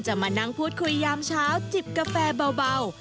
มานั่งพูดคุยยามเช้าจิบกาแฟเบา